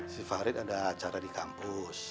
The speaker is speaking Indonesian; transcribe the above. si farid ada acara di kampus